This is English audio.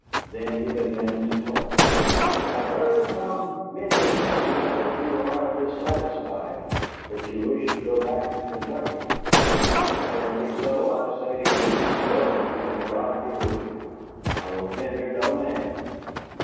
Then he began to talk. "I have heard from many sources that you are dissatisfied, that you wish to go back to Kentucky. If that be so, I say to you, 'Go, and God be with you.' I will hinder no man.